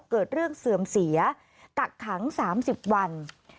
เกิดเรื่องเสื่อมเสียกักขัง๓๐วัน